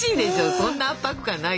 そんな圧迫感ない